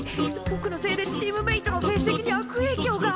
ぼくのせいでチームメートの成績に悪えいきょうが。